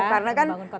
karena kan kembali lagi